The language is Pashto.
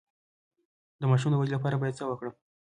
د ماشوم د ودې لپاره باید څه ورکړم؟